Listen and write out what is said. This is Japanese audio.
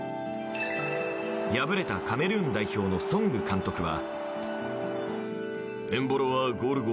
敗れたカメルーン代表のソング監督は。